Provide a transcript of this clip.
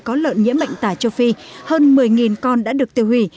có lợn nhiễm bệnh tả châu phi hơn một mươi con đã được tiêu hủy